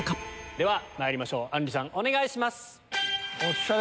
ではまいりましょうあんりさんお願いします。